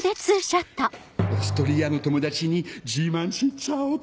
オーストリアの友達に自慢しちゃおうっと！